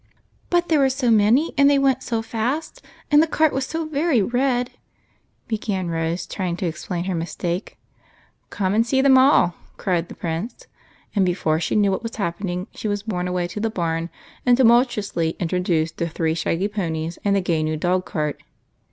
"But there were so many, and they went so fast, and tlie cart was so very red," began Rose, trying to explain her mistake. " Come and see them uH !" cried the Prince. And THE CLAN. 15 before she knew what was happening she was borne away to the barn and tumultuously introduced to three shaggy ponies and the gay new dog cart.